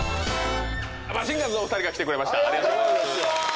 マシンガンズのお二人が来てくれました。